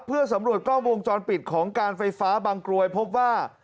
เพื่อสำรวจกล้องวงจรปิดของการไฟฟ้าบางกรวยพบว่า